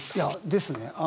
ですね。